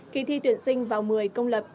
kỳ thi tuyển sinh vào một mươi công lập